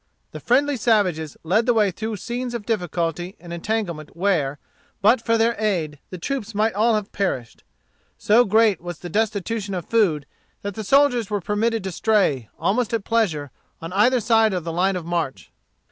The friendly savages led the way through scenes of difficulty and entanglement where, but for their aid, the troops might all have perished. So great was the destitution of food that the soldiers were permitted to stray, almost at pleasure, on either side of the line of march.